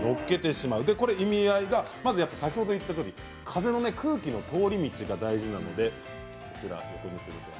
意味合いが、まず先ほど言ったように空気の通り道、風が大事です。